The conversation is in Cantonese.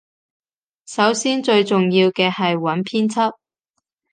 首先最重要嘅係揾編輯